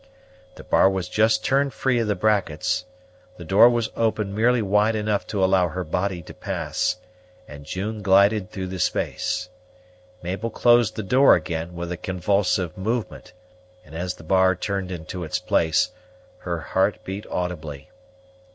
The bar was just turned free of the brackets, the door was opened merely wide enough to allow her body to pass, and June glided through the space. Mabel closed the door again, with a convulsive movement; and as the bar turned into its place, her heart beat audibly.